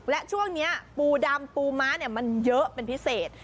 และช่วงนี้ปูดำปูม้ามันเยอะเป็นพิเศษ